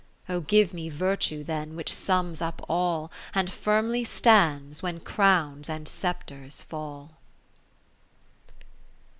Oh give me Virtue then, which sums up all. And firmly stands when Crowns and Sceptres fall.